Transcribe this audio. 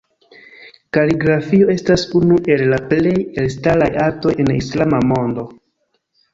Kaligrafio estas unu el la plej elstaraj artoj en islama mondo.